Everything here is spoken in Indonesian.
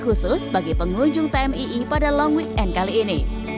khusus bagi pengunjung tmii pada long weekend kali ini